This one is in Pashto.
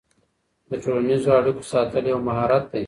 د ټولنیزو اړیکو ساتل یو مهارت دی.